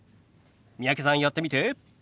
三宅さんやってみて。